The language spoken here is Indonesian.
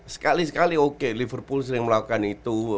sekali sekali oke liverpool sering melakukan itu